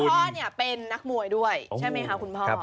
พ่อเนี่ยเป็นนักมวยด้วยใช่ไหมคะคุณพ่อ